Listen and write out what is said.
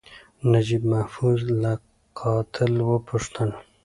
نجیب محفوظ له قاتل وپوښتل.